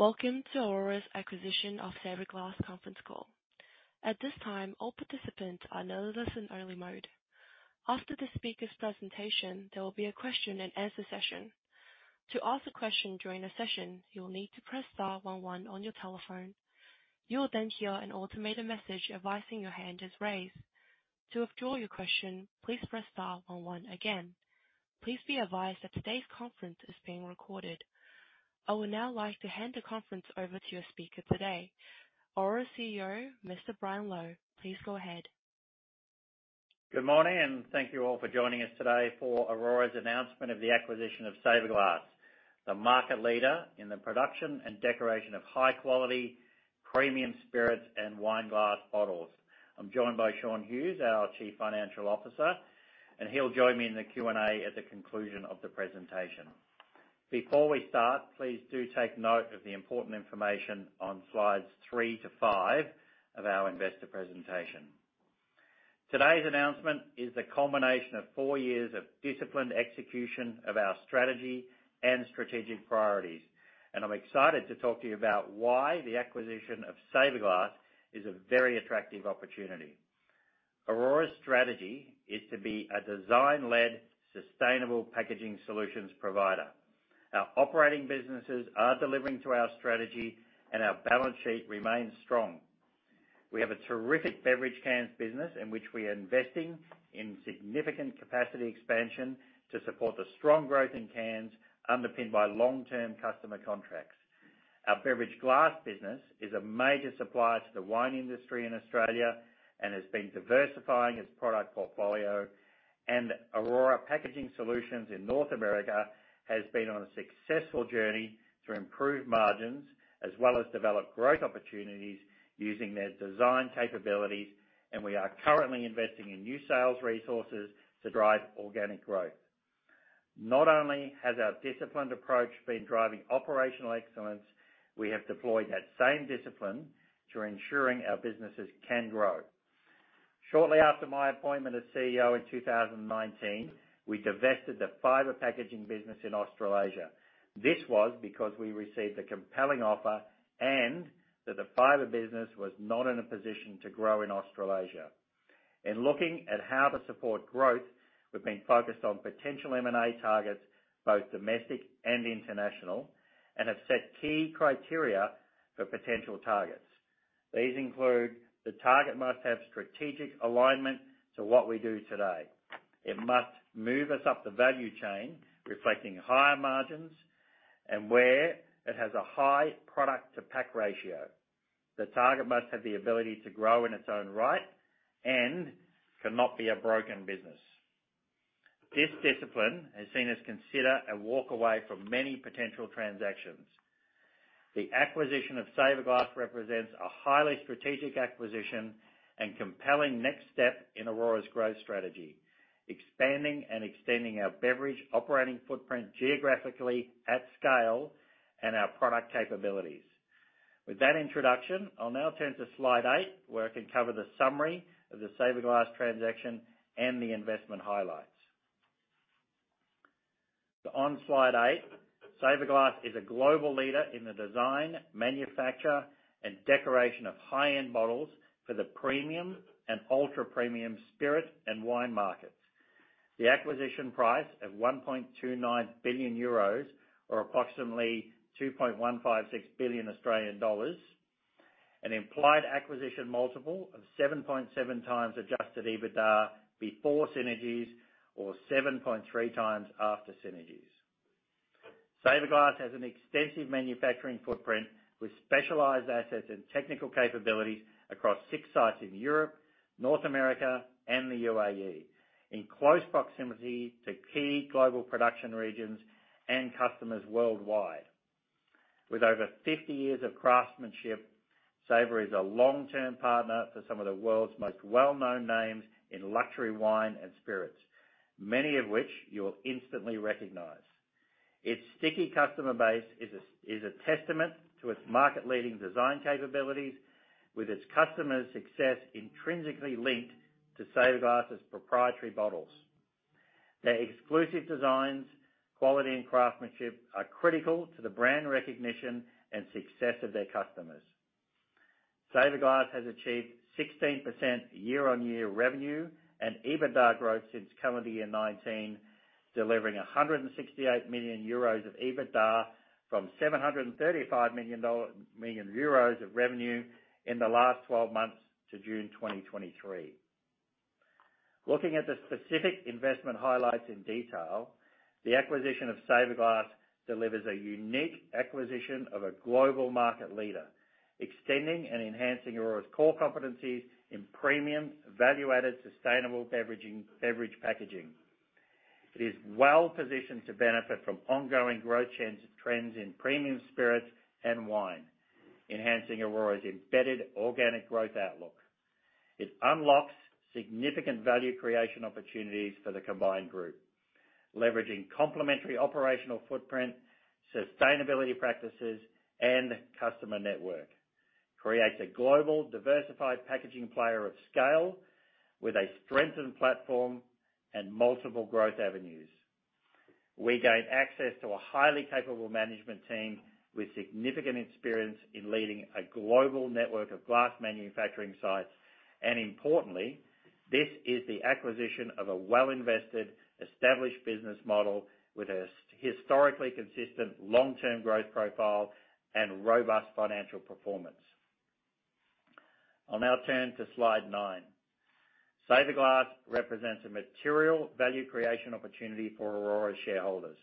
Welcome to Orora's acquisition of Saverglass conference call. At this time, all participants are in a listen-only mode. After the speaker's presentation, there will be a question-and-answer session. To ask a question during the session, you will need to press star one one on your telephone. You will then hear an automated message advising your hand is raised. To withdraw your question, please press star one one again. Please be advised that today's conference is being recorded. I would now like to hand the conference over to your speaker today, Orora CEO, Mr. Brian Lowe. Please go ahead. Good morning, and thank you all for joining us today for Orora's announcement of the acquisition of Saverglass, the market leader in the production and decoration of high-quality, premium spirits and wine glass bottles. I'm joined by Shaun Hughes, our Chief Financial Officer, and he'll join me in the Q&A at the conclusion of the presentation. Before we start, please do take note of the important information on slides 3 to 5 of our investor presentation. Today's announcement is the culmination of four years of disciplined execution of our strategy and strategic priorities, and I'm excited to talk to you about why the acquisition of Saverglass is a very attractive opportunity. Orora's strategy is to be a design-led, sustainable packaging solutions provider. Our operating businesses are delivering to our strategy, and our balance sheet remains strong. We have a terrific beverage cans business, in which we are investing in significant capacity expansion to support the strong growth in cans, underpinned by long-term customer contracts. Our beverage glass business is a major supplier to the wine industry in Australia and has been diversifying its product portfolio. Orora Packaging Solutions in North America has been on a successful journey to improve margins, as well as develop growth opportunities using their design capabilities, and we are currently investing in new sales resources to drive organic growth. Not only has our disciplined approach been driving operational excellence, we have deployed that same discipline to ensuring our businesses can grow. Shortly after my appointment as CEO in 2019, we divested the fiber packaging business in Australasia. This was because we received a compelling offer and that the fiber business was not in a position to grow in Australasia. In looking at how to support growth, we've been focused on potential M&A targets, both domestic and international, and have set key criteria for potential targets. These include: the target must have strategic alignment to what we do today. It must move us up the value chain, reflecting higher margins and where it has a high product-to-pack ratio. The target must have the ability to grow in its own right and cannot be a broken business. This discipline has seen us consider a walk away from many potential transactions. The acquisition of Saverglass represents a highly strategic acquisition and compelling next step in Orora's growth strategy, expanding and extending our beverage operating footprint geographically at scale and our product capabilities. With that introduction, I'll now turn to slide eight, where I can cover the summary of the Saverglass transaction and the investment highlights. So on slide eight, Saverglass is a global leader in the design, manufacture, and decoration of high-end bottles for the premium and ultra-premium spirit and wine markets. The acquisition price of 1.29 billion euros, or approximately 2.156 billion Australian dollars, an implied acquisition multiple of 7.7x adjusted EBITDA before synergies, or 7.3x after synergies. Saverglass has an extensive manufacturing footprint with specialized assets and technical capabilities across six sites in Europe, North America, and the UAE, in close proximity to key global production regions and customers worldwide. With over 50 years of craftsmanship, Saverglass is a long-term partner for some of the world's most well-known names in luxury wine and spirits, many of which you will instantly recognize. Its sticky customer base is a testament to its market-leading design capabilities, with its customers' success intrinsically linked to Saverglass's proprietary bottles. Their exclusive designs, quality, and craftsmanship are critical to the brand recognition and success of their customers. Saverglass has achieved 16% year-on-year revenue and EBITDA growth since calendar year 2019, delivering 168 million euros of EBITDA from 735 million of revenue in the last 12 months to June 2023. Looking at the specific investment highlights in detail, the acquisition of Saverglass delivers a unique acquisition of a global market leader, extending and enhancing Orora's core competencies in premium, value-added, sustainable beverage packaging. It is well-positioned to benefit from ongoing growth trends, trends in premium spirits and wine, enhancing Orora's embedded organic growth outlook. It unlocks significant value creation opportunities for the combined group, leveraging complementary operational footprint, sustainability practices, and customer network.... creates a global, diversified packaging player of scale, with a strengthened platform and multiple growth avenues. We gain access to a highly capable management team, with significant experience in leading a global network of glass manufacturing sites. And importantly, this is the acquisition of a well-invested, established business model with a historically consistent long-term growth profile and robust financial performance. I'll now turn to Slide nine. Saverglass represents a material value creation opportunity for Orora shareholders.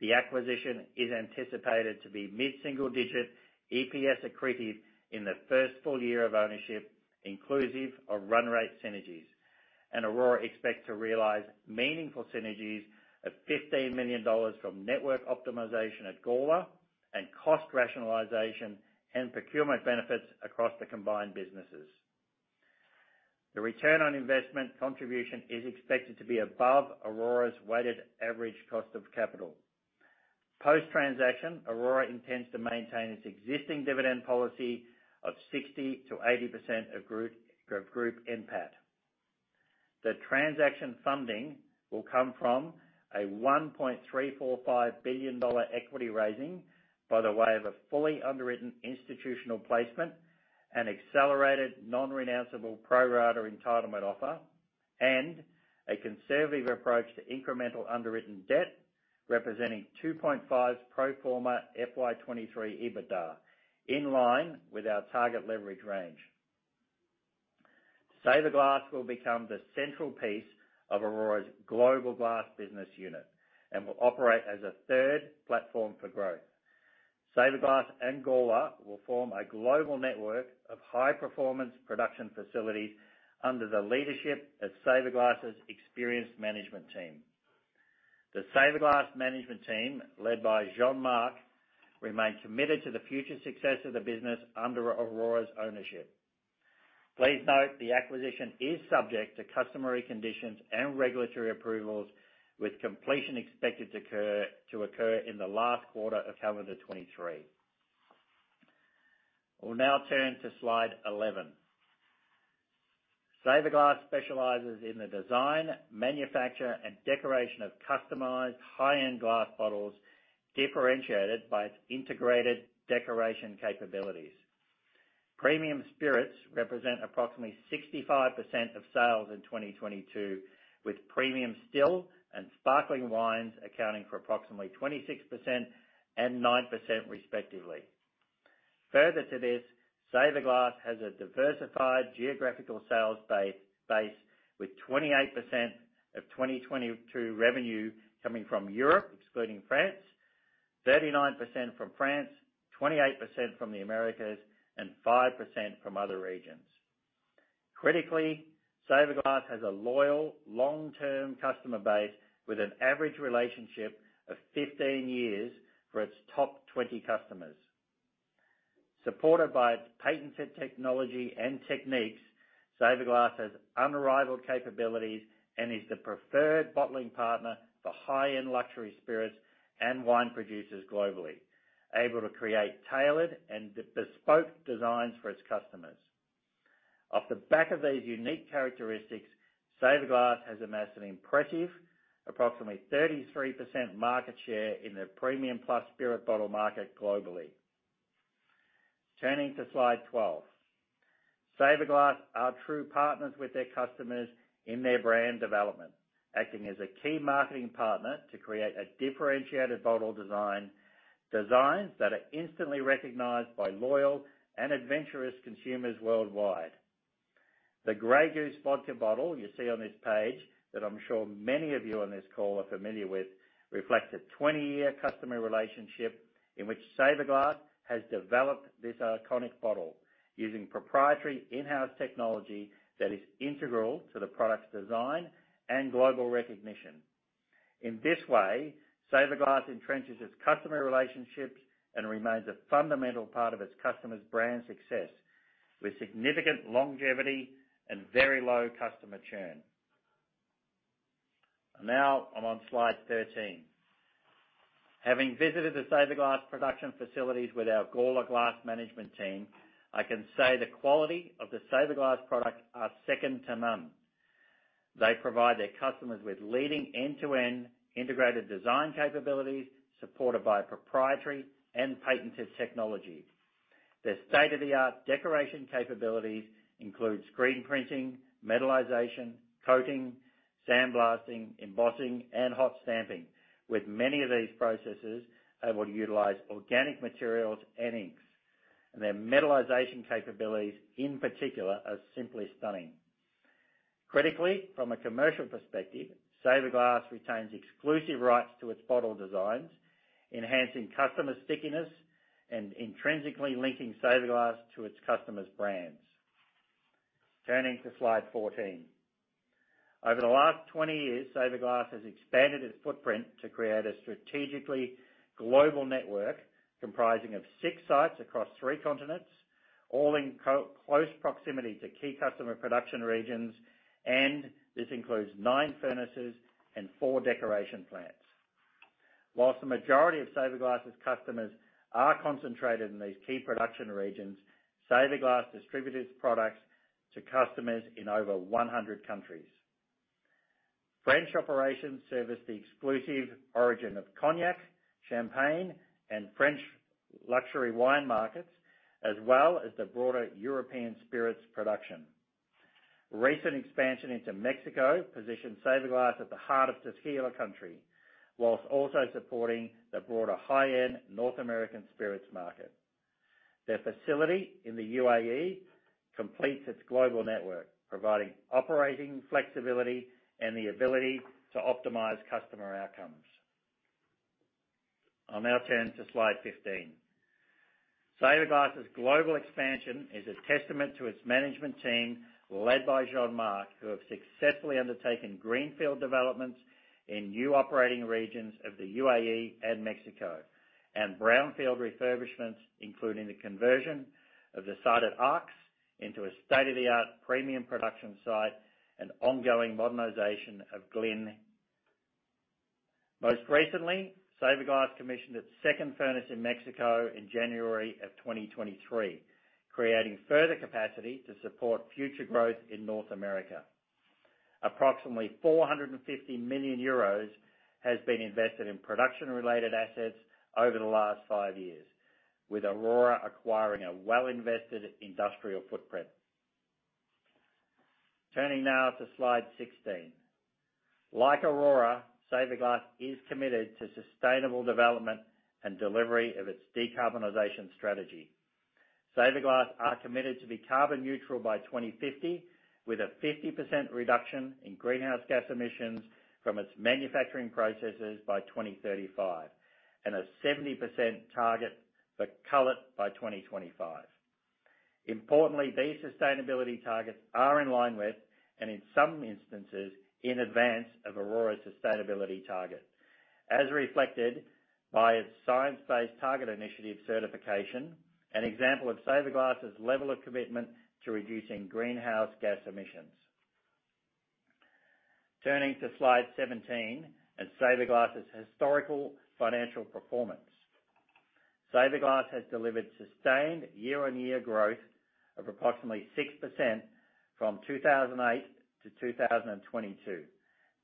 The acquisition is anticipated to be mid-single digit EPS accretive in the first full year of ownership, inclusive of run rate synergies. Orora expects to realize meaningful synergies of 15 million dollars from network optimization at Gawler, and cost rationalization, and procurement benefits across the combined businesses. The return on investment contribution is expected to be above Orora's weighted average cost of capital. Post-transaction, Orora intends to maintain its existing dividend policy of 60%-80% of group, of group NPAT. The transaction funding will come from a 1.345 billion dollar equity raising, by way of a fully underwritten institutional placement and accelerated non-renounceable pro rata entitlement offer, and a conservative approach to incremental underwritten debt, representing 2.5 pro forma FY 2023 EBITDA, in line with our target leverage range. Saverglass will become the central piece of Orora's global glass business unit, and will operate as a third platform for growth. Saverglass and Gawler will form a global network of high-performance production facilities under the leadership of Saverglass's experienced management team. The Saverglass management team, led by Jean-Marc, remains committed to the future success of the business under Orora's ownership. Please note, the acquisition is subject to customary conditions and regulatory approvals, with completion expected to occur in the last quarter of calendar 2023. I will now turn to Slide 11. Saverglass specializes in the design, manufacture, and decoration of customized high-end glass bottles, differentiated by its integrated decoration capabilities. Premium spirits represent approximately 65% of sales in 2022, with premium still and sparkling wines accounting for approximately 26% and 9% respectively. Further to this, Saverglass has a diversified geographical sales base with 28% of 2022 revenue coming from Europe, excluding France, 39% from France, 28% from the Americas, and 5% from other regions. Critically, Saverglass has a loyal, long-term customer base, with an average relationship of 15 years for its top 20 customers. Supported by its patented technology and techniques, Saverglass has unrivaled capabilities and is the preferred bottling partner for high-end luxury spirits and wine producers globally, able to create tailored and bespoke designs for its customers. Off the back of these unique characteristics, Saverglass has amassed an impressive approximately 33% market share in the premium plus spirit bottle market globally. Turning to Slide 12. Saverglass are true partners with their customers in their brand development, acting as a key marketing partner to create a differentiated bottle design, designs that are instantly recognized by loyal and adventurous consumers worldwide. The Grey Goose vodka bottle you see on this page, that I'm sure many of you on this call are familiar with, reflects a 20-year customer relationship in which Saverglass has developed this iconic bottle using proprietary in-house technology that is integral to the product's design and global recognition. In this way, Saverglass entrenches its customer relationships and remains a fundamental part of its customers' brand success, with significant longevity and very low customer churn. Now I'm on Slide 13. Having visited the Saverglass production facilities with our Gawler glass management team, I can say the quality of the Saverglass products are second to none. They provide their customers with leading end-to-end integrated design capabilities, supported by proprietary and patented technology. Their state-of-the-art decoration capabilities include screen printing, metallization, coating, sandblasting, embossing, and hot stamping, with many of these processes able to utilize organic materials and inks, and their metallization capabilities, in particular, are simply stunning. Critically, from a commercial perspective, Saverglass retains exclusive rights to its bottle designs, enhancing customer stickiness and intrinsically linking Saverglass to its customers' brands. Turning to Slide 14. Over the last 20 years, Saverglass has expanded its footprint to create a strategically global network comprising of 6 sites across 3 continents, all in close proximity to key customer production regions, and this includes 9 furnaces and 4 decoration plants. While the majority of Saverglass' customers are concentrated in these key production regions, Saverglass distributes products to customers in over 100 countries. French operations service the exclusive origin of Cognac, Champagne, and French luxury wine markets, as well as the broader European spirits production. Recent expansion into Mexico positioned Saverglass at the heart of tequila country, while also supporting the broader high-end North American spirits market. Their facility in the UAE completes its global network, providing operating flexibility and the ability to optimize customer outcomes. I'll now turn to slide 15. Saverglass' global expansion is a testament to its management team, led by Jean-Marc, who have successfully undertaken greenfield developments in new operating regions of the UAE and Mexico, and brownfield refurbishments, including the conversion of the site at Arques into a state-of-the-art premium production site and ongoing modernization of Ghlin. Most recently, Saverglass commissioned its second furnace in Mexico in January of 2023, creating further capacity to support future growth in North America. Approximately 450 million euros has been invested in production-related assets over the last five years, with Orora acquiring a well-invested industrial footprint. Turning now to slide 16. Like Orora, Saverglass is committed to sustainable development and delivery of its decarbonization strategy. Saverglass are committed to be carbon neutral by 2050, with a 50% reduction in greenhouse gas emissions from its manufacturing processes by 2035, and a 70% target for cullet by 2025. Importantly, these sustainability targets are in line with, and in some instances, in advance of Orora's sustainability target, as reflected by its Science Based Targets initiative certification, an example of Saverglass's level of commitment to reducing greenhouse gas emissions. Turning to slide 17, and Saverglass' historical financial performance. Saverglass has delivered sustained year-on-year growth of approximately 6% from 2008 to 2022.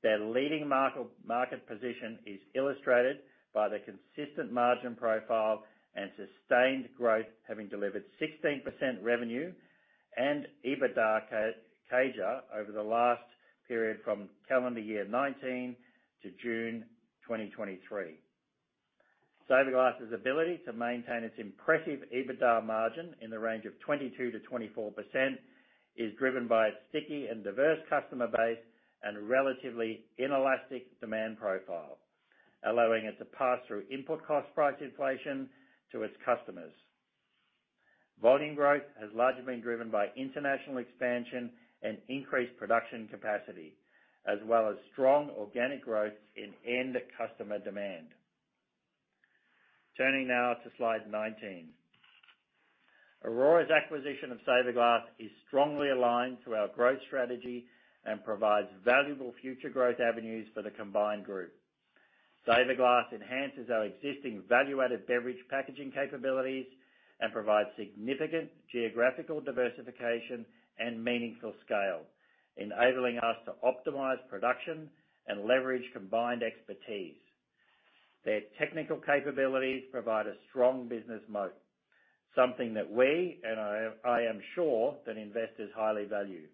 Their leading market position is illustrated by their consistent margin profile and sustained growth, having delivered 16% revenue and EBITDA CAGR over the last period from calendar year 2019 to June 2023. Saverglass' ability to maintain its impressive EBITDA margin in the range of 22%-24% is driven by its sticky and diverse customer base and relatively inelastic demand profile, allowing it to pass through input cost price inflation to its customers. Volume growth has largely been driven by international expansion and increased production capacity, as well as strong organic growth in end customer demand. Turning now to slide 19. Orora's acquisition of Saverglass is strongly aligned to our growth strategy and provides valuable future growth avenues for the combined group. Saverglass enhances our existing value-added beverage packaging capabilities and provides significant geographical diversification and meaningful scale, enabling us to optimize production and leverage combined expertise. Their technical capabilities provide a strong business moat, something that we, and I am sure that investors highly value.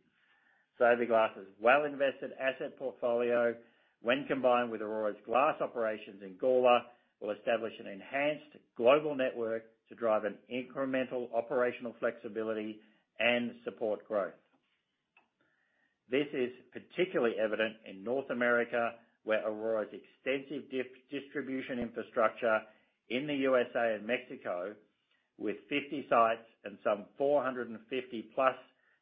Saverglass' well-invested asset portfolio, when combined with Orora's glass operations in Gawler, will establish an enhanced global network to drive an incremental operational flexibility and support growth. This is particularly evident in North America, where Orora's extensive distribution infrastructure in the USA and Mexico, with 50 sites and some 450+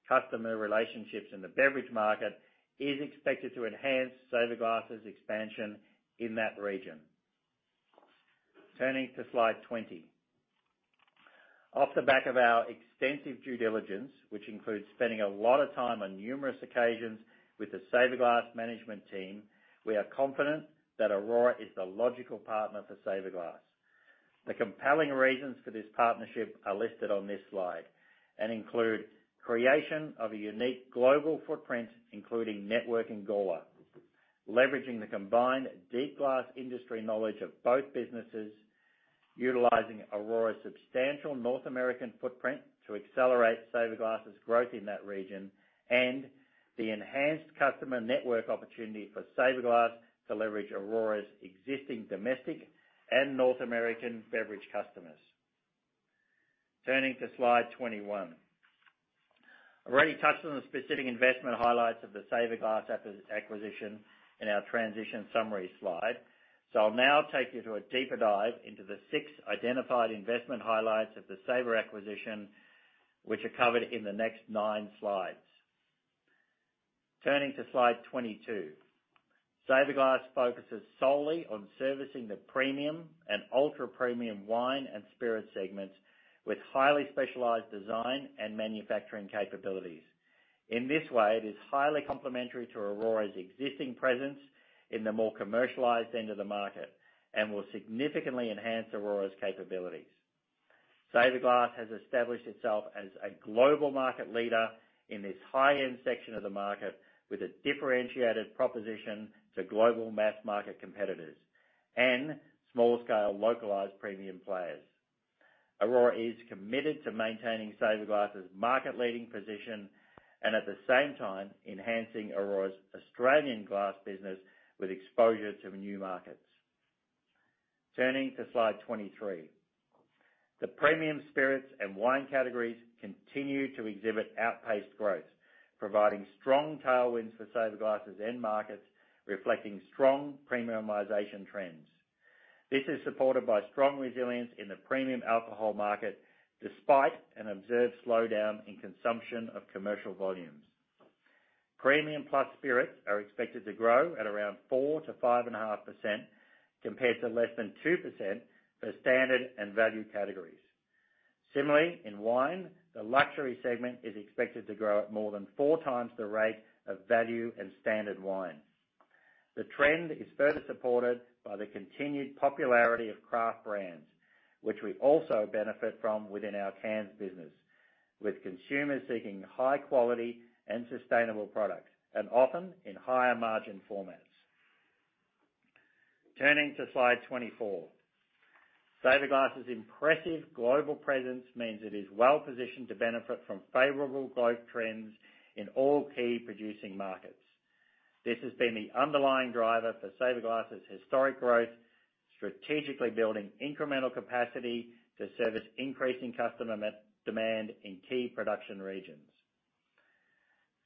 customer relationships in the beverage market, is expected to enhance Saverglass' expansion in that region. Turning to slide 20. Off the back of our extensive due diligence, which includes spending a lot of time on numerous occasions with the Saverglass management team, we are confident that Orora is the logical partner for Saverglass. The compelling reasons for this partnership are listed on this slide and include creation of a unique global footprint, including networking Gawler, leveraging the combined deep glass industry knowledge of both businesses, utilizing Orora's substantial North American footprint to accelerate Saverglass' growth in that region, and the enhanced customer network opportunity for Saverglass to leverage Orora's existing domestic and North American beverage customers. Turning to slide 21. I've already touched on the specific investment highlights of the Saverglass acquisition in our transition summary slide, so I'll now take you through a deeper dive into the six identified investment highlights of the Saverglass acquisition, which are covered in the next nine slides. Turning to slide 22. Saverglass focuses solely on servicing the premium and ultra-premium wine and spirit segments, with highly specialized design and manufacturing capabilities.... In this way, it is highly complementary to Orora's existing presence in the more commercialized end of the market, and will significantly enhance Orora's capabilities. Saverglass has established itself as a global market leader in this high-end section of the market, with a differentiated proposition to global mass market competitors and smaller scale localized premium players. Orora is committed to maintaining Saverglass's market-leading position, and at the same time, enhancing Orora's Australian glass business with exposure to new markets. Turning to slide 23. The premium spirits and wine categories continue to exhibit outpaced growth, providing strong tailwinds for Saverglass's end markets, reflecting strong premiumization trends. This is supported by strong resilience in the premium alcohol market, despite an observed slowdown in consumption of commercial volumes. Premium plus spirits are expected to grow at around 4%-5.5% compared to less than 2% for standard and value categories. Similarly, in wine, the luxury segment is expected to grow at more than four times the rate of value and standard wines. The trend is further supported by the continued popularity of craft brands, which we also benefit from within our cans business, with consumers seeking high quality and sustainable products, and often in higher margin formats. Turning to slide 24. Saverglass's impressive global presence means it is well-positioned to benefit from favorable growth trends in all key producing markets. This has been the underlying driver for Saverglass's historic growth, strategically building incremental capacity to service increasing customer demand in key production regions.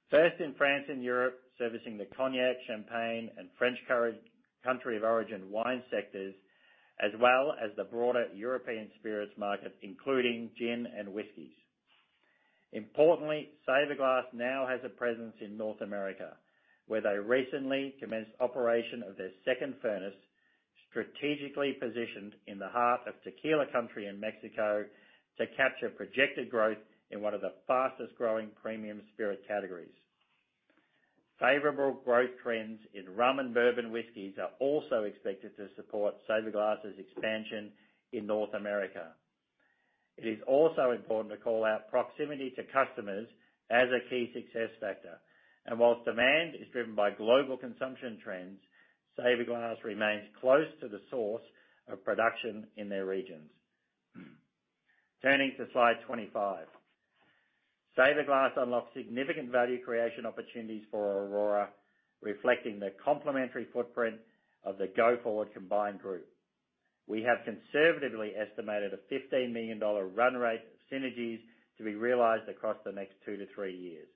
First, in France and Europe, servicing the Cognac, Champagne, and French country of origin wine sectors, as well as the broader European spirits market, including gin and whiskeys. Importantly, Saverglass now has a presence in North America, where they recently commenced operation of their second furnace, strategically positioned in the heart of tequila country in Mexico, to capture projected growth in one of the fastest growing premium spirit categories. Favorable growth trends in rum and bourbon whiskeys are also expected to support Saverglass's expansion in North America. It is also important to call out proximity to customers as a key success factor, and while demand is driven by global consumption trends, Saverglass remains close to the source of production in their regions. Turning to slide 25. Saverglass unlocks significant value creation opportunities for Orora, reflecting the complementary footprint of the go-forward combined group. We have conservatively estimated a 15 million dollar run rate of synergies to be realized across the next 2-3 years,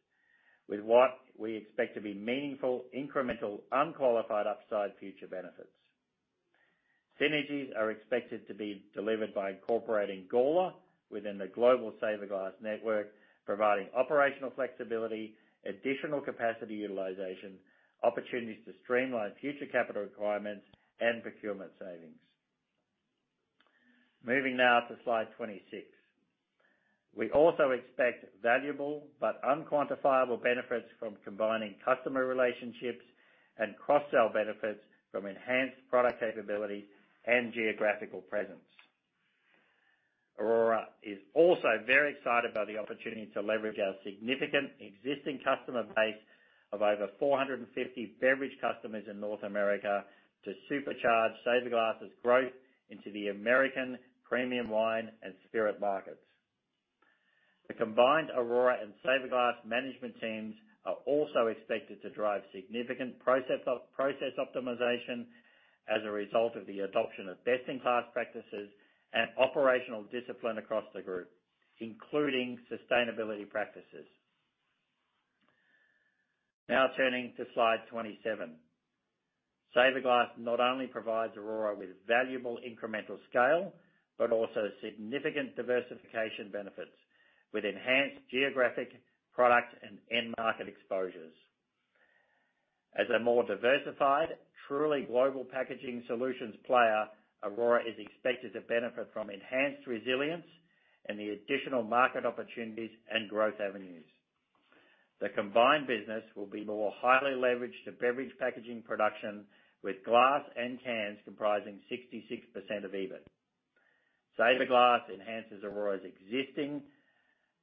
with what we expect to be meaningful, incremental, unqualified, upside future benefits. Synergies are expected to be delivered by incorporating Gawler within the global Saverglass network, providing operational flexibility, additional capacity utilization, opportunities to streamline future capital requirements, and procurement savings. Moving now to slide 26. We also expect valuable but unquantifiable benefits from combining customer relationships and cross-sell benefits from enhanced product capability and geographical presence. Orora is also very excited about the opportunity to leverage our significant existing customer base of over 450 beverage customers in North America, to supercharge Saverglass's growth into the American premium wine and spirit markets. The combined Orora and Saverglass management teams are also expected to drive significant process optimization as a result of the adoption of best-in-class practices and operational discipline across the group, including sustainability practices. Now turning to slide 27. Saverglass not only provides Orora with valuable incremental scale, but also significant diversification benefits, with enhanced geographic product and end market exposures. As a more diversified, truly global packaging solutions player, Orora is expected to benefit from enhanced resilience and the additional market opportunities and growth avenues. The combined business will be more highly leveraged to beverage packaging production, with glass and cans comprising 66% of EBIT. Saverglass enhances Orora's existing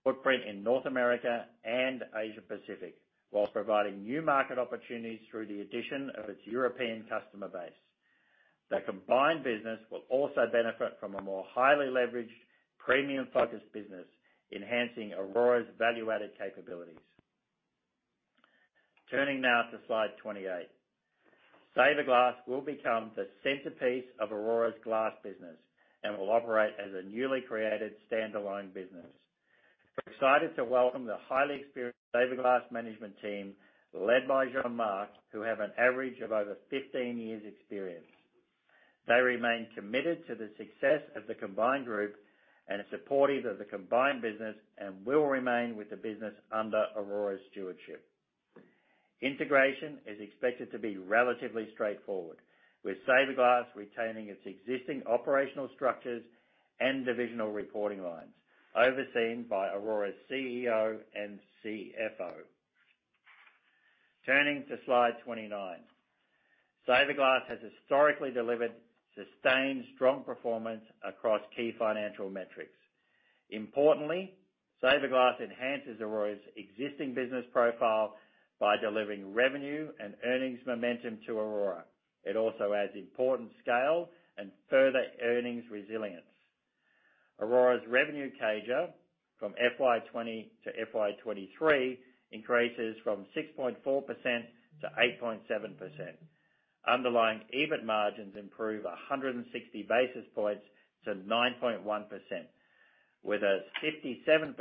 footprint in North America and Asia Pacific, while providing new market opportunities through the addition of its European customer base. The combined business will also benefit from a more highly leveraged, premium-focused business, enhancing Orora's value-added capabilities. Turning now to slide 28. Saverglass will become the centerpiece of Orora's glass business and will operate as a newly created standalone business. We're excited to welcome the highly experienced Saverglass management team, led by Jean-Marc, who have an average of over 15 years experience. They remain committed to the success of the combined group and are supportive of the combined business, and will remain with the business under Orora's stewardship. Integration is expected to be relatively straightforward, with Saverglass retaining its existing operational structures and divisional reporting lines, overseen by Orora's CEO and CFO. Turning to slide 29. Saverglass has historically delivered sustained, strong performance across key financial metrics. Importantly, Saverglass enhances Orora's existing business profile by delivering revenue and earnings momentum to Orora. It also adds important scale and further earnings resilience. Orora's revenue CAGR from FY 2020 to FY 2023 increases from 6.4% to 8.7%. Underlying EBIT margins improve 160 basis points to 9.1%, with a 57%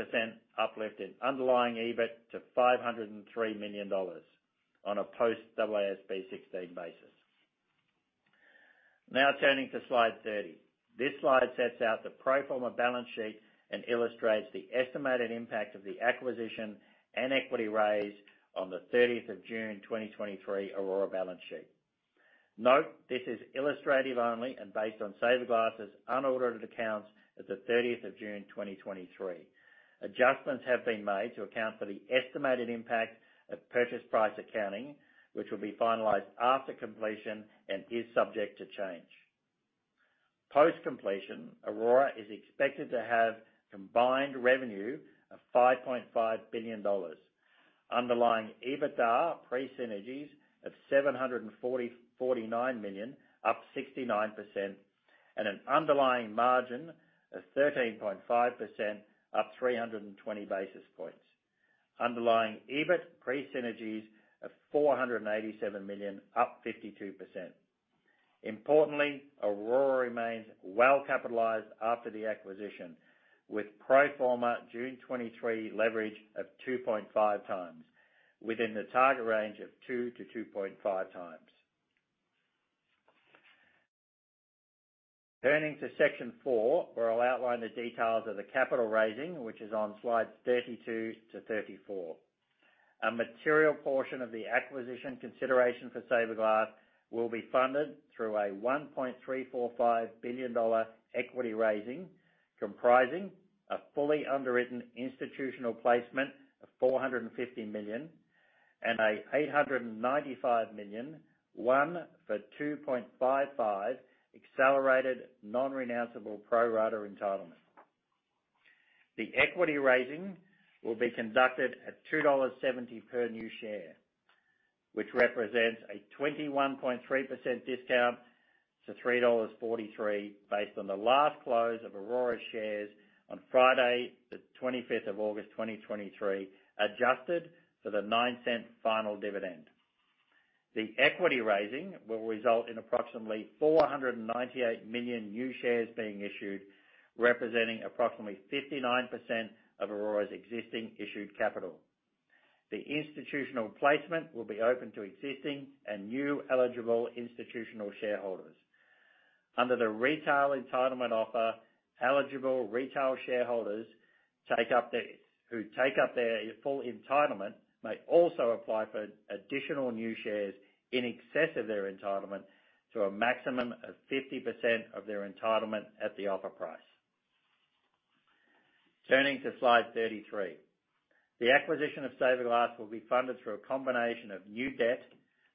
uplift in underlying EBIT to 503 million dollars on a post-IFRS 16 basis. Now turning to slide 30. This slide sets out the pro forma balance sheet and illustrates the estimated impact of the acquisition and equity raise on the 30th of June, 2023 Orora balance sheet. Note, this is illustrative only and based on Saverglass's unaudited accounts at the 30th of June, 2023. Adjustments have been made to account for the estimated impact of purchase price accounting, which will be finalized after completion and is subject to change. Post-completion, Orora is expected to have combined revenue of $5.5 billion, underlying EBITDA pre synergies of $749 million, up 69%, and an underlying margin of 13.5%, up 320 basis points. Underlying EBIT pre synergies of $487 million, up 52%. Importantly, Orora remains well capitalized after the acquisition, with pro forma June 2023 leverage of 2.5 times, within the target range of 2-2.5 times. Turning to section four, where I'll outline the details of the capital raising, which is on slides 32-34. A material portion of the acquisition consideration for Saverglass will be funded through a 1.345 billion dollar equity raising, comprising a fully underwritten institutional placement of 450 million, and a 895 million one-for-2.55 accelerated non-renounceable pro rata entitlement. The equity raising will be conducted at 2.70 dollars per new share, which represents a 21.3% discount to 3.43 dollars, based on the last close of Orora shares on Friday, the 25th of August, 2023, adjusted for the 0.09 final dividend. The equity raising will result in approximately 498 million new shares being issued, representing approximately 59% of Orora's existing issued capital. The institutional placement will be open to existing and new eligible institutional shareholders. Under the retail entitlement offer, eligible retail shareholders who take up their full entitlement may also apply for additional new shares in excess of their entitlement to a maximum of 50% of their entitlement at the offer price. Turning to slide 33. The acquisition of Saverglass will be funded through a combination of new debt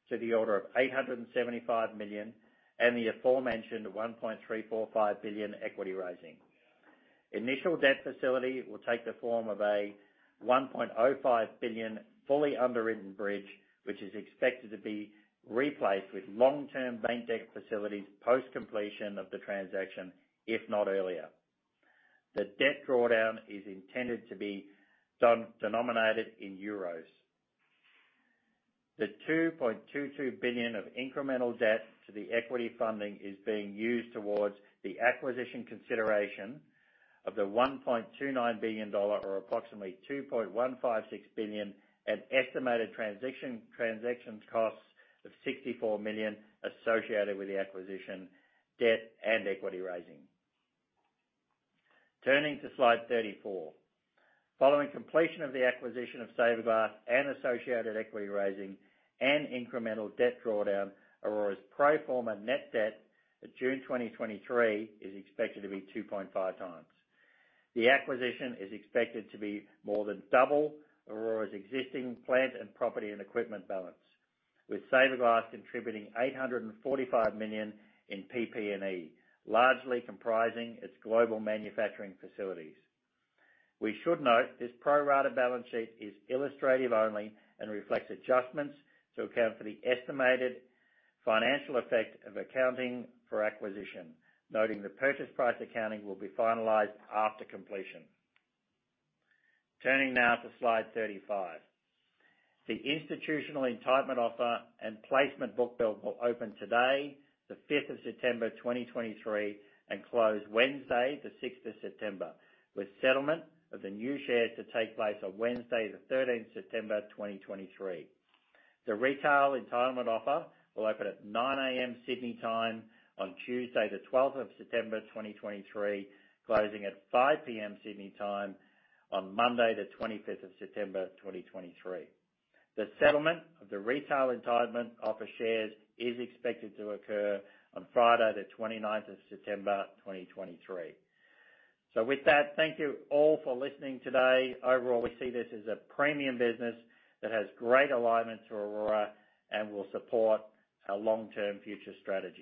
to the order of 875 million, and the aforementioned 1.345 billion equity raising. Initial debt facility will take the form of a 1.05 billion fully underwritten bridge, which is expected to be replaced with long-term bank debt facilities post-completion of the transaction, if not earlier. The debt drawdown is intended to be done denominated in euros. The 2.22 billion of incremental debt to the equity funding is being used towards the acquisition consideration of the EUR 1.29 billion, or approximately 2.156 billion, an estimated transaction costs of 64 million associated with the acquisition, debt, and equity raising. Turning to slide 34. Following completion of the acquisition of Saverglass and associated equity raising and incremental debt drawdown, Orora's pro forma net debt at June 2023 is expected to be 2.5 times. The acquisition is expected to be more than double Orora's existing plant and property and equipment balance, with Saverglass contributing 845 million in PP&E, largely comprising its global manufacturing facilities. We should note this pro rata balance sheet is illustrative only and reflects adjustments to account for the estimated financial effect of accounting for acquisition, noting the purchase price accounting will be finalized after completion. Turning now to slide 35. The institutional entitlement offer and placement bookbuild will open today, the 5th of September, 2023, and close Wednesday, the 6th of September, with settlement of the new shares to take place on Wednesday, the 13th of September, 2023. The retail entitlement offer will open at 9:00 A.M., Sydney time, on Tuesday, the twelfth of September, 2023, closing at 5:00 P.M., Sydney time, on Monday, the 25th of September, 2023. The settlement of the retail entitlement offer shares is expected to occur on Friday, the 25th of September, 2023. So with that, thank you all for listening today. Overall, we see this as a premium business that has great alignment to Orora and will support our long-term future strategy.